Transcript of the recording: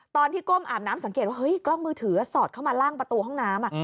ก้มอาบน้ำสังเกตว่าเฮ้ยกล้องมือถือสอดเข้ามาล่างประตูห้องน้ำ